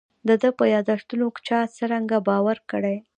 د ده په یاداشتونو چا څرنګه باور کړی.